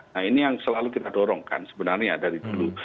nah ini yang selalu kita dorongkan sebenarnya dari dulu